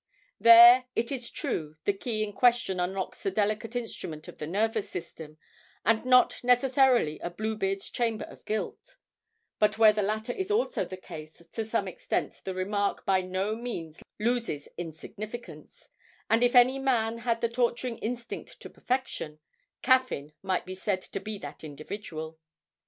"' There, it is true, the key in question unlocks the delicate instrument of the nervous system, and not necessarily a Bluebeard's chamber of guilt; but where the latter is also the case to some extent the remark by no means loses in significance, and if any man had the torturing instinct to perfection, Caffyn might be said to be that individual.